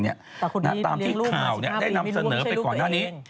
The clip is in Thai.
แต่คุณนี่เรียกลูก๒๕ปีไม่รู้ว่าคุณเป็นลูกคุณเอง